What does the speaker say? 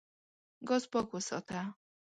ګاز پاک وساته.